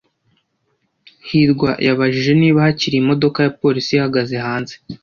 hirwa yabajije niba hakiri imodoka ya polisi ihagaze hanze.